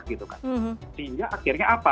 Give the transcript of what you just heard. sehingga akhirnya apa